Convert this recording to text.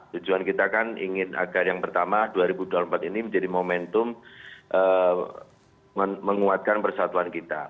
tujuan kita kan ingin agar yang pertama dua ribu dua puluh empat ini menjadi momentum menguatkan persatuan kita